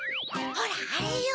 ほらあれよ